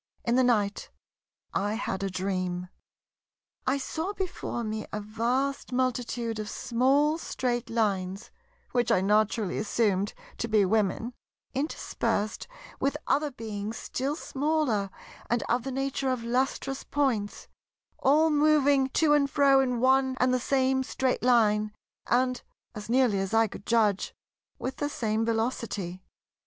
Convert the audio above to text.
In the night I had a dream. I saw before me a vast multitude of small Straight Lines (which I naturally assumed to be Women) interspersed with other Beings still smaller and of the nature of lustrous points—all moving to and fro in one and the same Straight Line, and, as nearly as I could judge, with the same velocity.